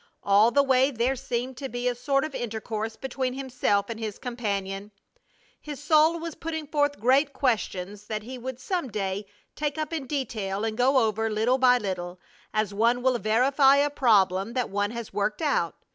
All the way there seemed to be a sort of intercourse between himself and his Companion. His soul was putting forth great questions that he would some day take up in detail and go over little by little, as one will verify a problem that one has worked out.